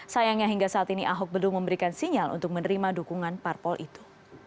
sayangnya hingga saat ini ahok belum memberikan sinyal untuk menerima dukungan parpol itu